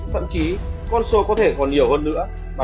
thậm chí con số có thể còn nhiều hơn nữa